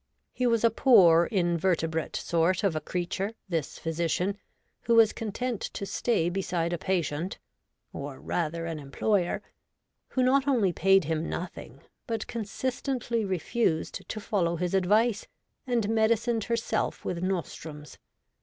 He was a poor, invertebrate sort of a creature, this physician, who was content to stay beside a patient — or rather an employer — who not only paid him nothing, but consistently refused to follow his advice, and medicined herself with nos trums.